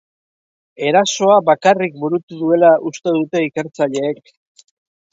Erasoa bakarrik burutu duela uste dute ikertzaileek.